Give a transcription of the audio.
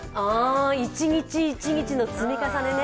一日一日の積み重ねね。